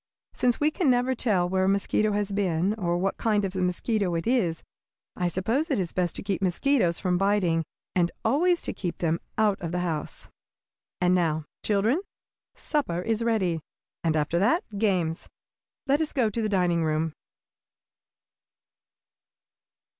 Since we can never tell where a mosquito has been, or what kind of a mosquito it is, I suppose it is best to keep mosquitoes from biting, and always to keep them out of the house. And now, children, supper is ready, and after that games. Let us go to the dining room!"